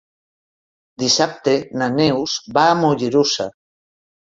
Dissabte na Neus va a Mollerussa.